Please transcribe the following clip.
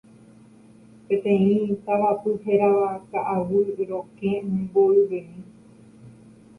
peteĩ tavapy hérava Ka'aguy Rokẽ mboyvemi